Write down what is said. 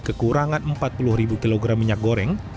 kekurangan empat puluh ribu kilogram minyak goreng